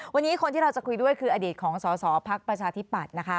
วันนี้คนที่เราจะคุยด้วยคืออดีตของสอสอพักประชาธิปัตย์นะคะ